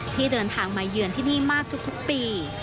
ที่เดินทางมาเยือนที่นี่มากทุกปี